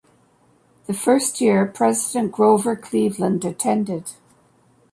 The first year, President Grover Cleveland attended.